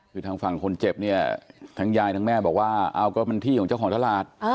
คือทางฝั่งคนเจ็บเนี่ยทั้งยายทั้งแม่บอกว่าเอาก็มันที่ของเจ้าของตลาด